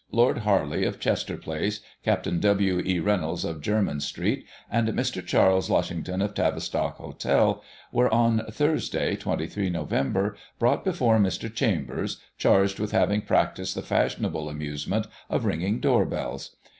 — Lord Haxley, of Chester Place, Capt W. E. Reynolds, of Jermyn Street, and Mr. Charles Lushington, of Tavistock Hotel, were on Thursday (23 Nov.) brought before Mr. Chambers, charged with having practised the fashionable amusement of ringing door bells.